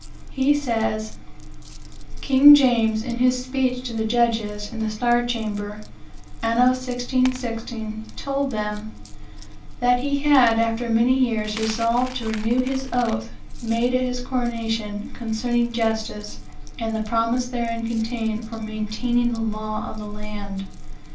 He says: "King James, in his speech to the judges, in the Star Chamber, Anno 1616, told them, 'That he had, after many years, resolved to renew his oath, made at his coronation, concerning justice, and the promise therein contained for maintaining the law of the land.'